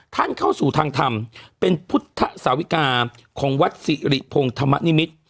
เข้าสู่ทางธรรมเป็นพุทธสาวิกาของวัดสิริพงศ์ธรรมนิมิตร